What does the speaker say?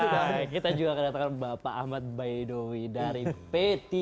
nah kita juga kedatangan bapak ahmad baedowi dari p tiga